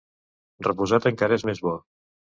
Reposat encara és més bo.